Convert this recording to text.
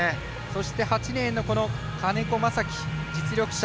そして８レーンの金子雅紀、実力者。